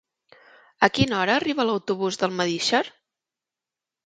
A quina hora arriba l'autobús d'Almedíxer?